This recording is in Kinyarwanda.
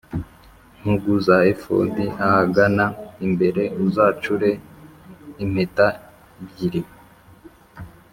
Ntugu za efodi ahagana imbere uzacure impeta byiri